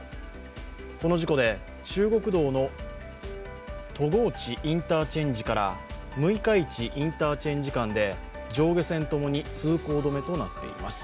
この事故で中国道の戸河内インターチェンジから六日市インターチェンジ間で上下線ともに通行止めとなっています。